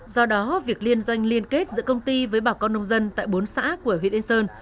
do đó việc liên doanh liên kết giữa công ty với bà con nông dân tại bốn xã của huyện yên sơn